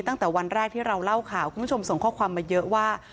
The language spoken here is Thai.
ตั้งแต่วันแรกที่เราเล่าข่าวคุณผู้ชมส่งข้อความมาเยอะว่า